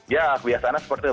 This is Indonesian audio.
ya kebiasaannya seperti itu